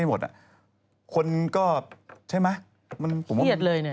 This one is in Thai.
เหี้ยดเลยเนี่ยฉันฟังแล้วเนี่ย